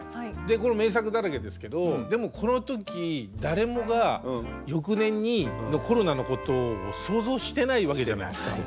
これも名作だらけですけどでもこの時誰もが翌年にコロナのことを想像してないわけじゃないですか。